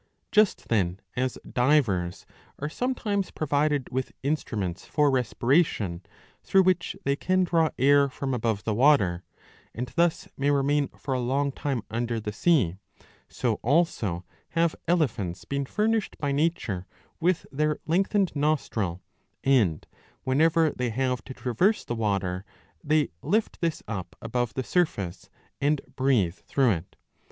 Just then as divers are sometimes provided with instruments for respiration, through which they can draw air from above the water, and thus may remain for a long time under the sea,^ so also have elephants been furnished by nature with their lengthened nostril ; and, whenever they have to traverse the water, they lift this up above the surface and breathe through it.